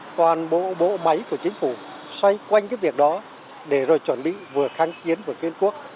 toàn bộ bộ máy của chính phủ xoay quanh cái việc đó để rồi chuẩn bị vừa kháng chiến vừa kiên quốc